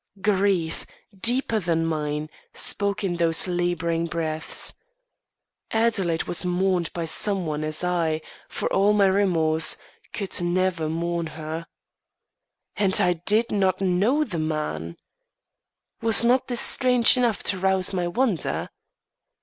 Grief, deeper than mine, spoke in those labouring breaths. Adelaide was mourned by some one as I, for all my remorse, could never mourn her. And I did not know the man. Was not this strange enough to rouse my wonder?